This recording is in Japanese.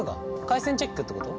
回線チェックってこと？